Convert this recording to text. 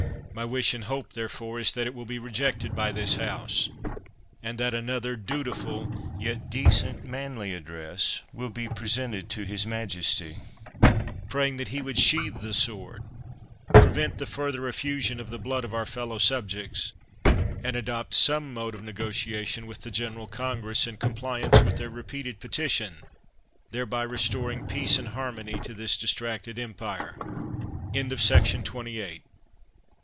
My wish and hope, therefore, is, that it will be rejected by this House; and that another, dutiful yet decent, manly address, will be presented to his majesty, praying that he would sheathe the sword, pre vent the further effusion of the blood of our fellow subjects, and adopt some mode of nego tiation with the general Congress, in compliance with their repeated petition, thereby restoring peace and harmony to this distracted empire.